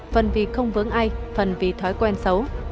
phần vì không vướng ai phần vì thói quen xấu